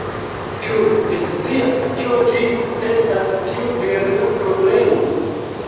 Ĉu vi scias, kio ĝi estas, tiu virina problemo?